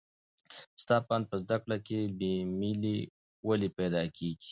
ستا په اند په زده کړه کې بې میلي ولې پیدا کېږي؟